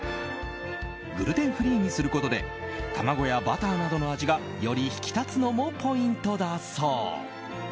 グルテンフリーにすることで卵やバターなどの味がより引き立つのもポイントだそう。